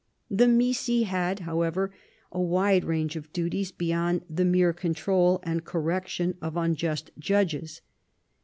The missi had, however, a wide range of duties beyond the mere control and correction of unjust judges.